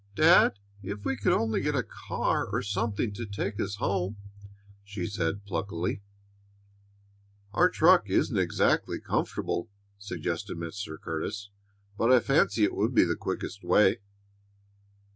"Dad, if we could only get a car or something to take us home," she said pluckily. "Our truck isn't exactly comfortable," suggested Mr. Curtis, "but I fancy it would be the quickest way."